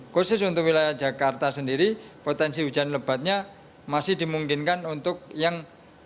khusus untuk wilayah jakarta sendiri potensi hujan lebatnya masih dimungkinkan untuk yang